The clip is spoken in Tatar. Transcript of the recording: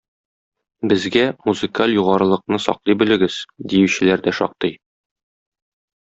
Безгә, музыкаль югарылыкны саклый белегез, диючеләр да шактый.